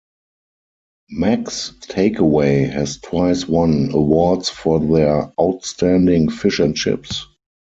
"Macs Takeaway" has twice won awards for their outstanding fish and chips.